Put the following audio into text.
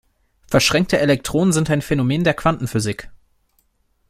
Verschränkte Elektronen sind ein Phänomen der Quantenphysik.